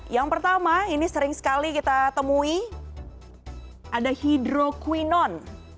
yang pertama ini sering sekali kita temui ada hidroquinon